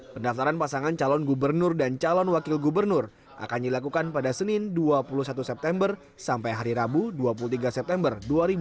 pendaftaran pasangan calon gubernur dan calon wakil gubernur akan dilakukan pada senin dua puluh satu september sampai hari rabu dua puluh tiga september dua ribu dua puluh